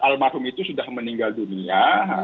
almarhum itu sudah meninggal dunia